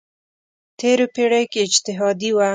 تېرو پېړیو کې اجتهادي وه.